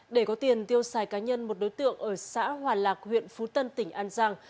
để có tiền tiêu xài cá nhân một đối tượng ở xã hòa lạc huyện phú tân tỉnh an giang